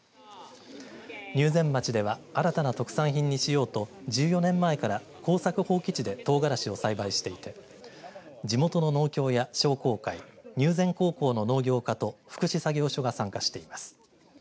入善町では新たな特産品にしようと１４年前から耕作放棄地でトウガラシを栽培していて地元の農協や商工会入善高校の農業科と福祉作業所が参加しています。